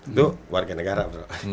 itu warga negara bro